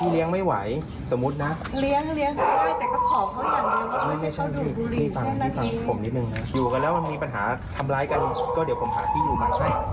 แล้วมันมีปัญหาทำร้ายกันก็เดี๋ยวผมหาพี่อยู่มาให้